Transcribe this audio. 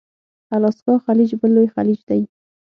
الاسکا خلیج بل لوی خلیج دی.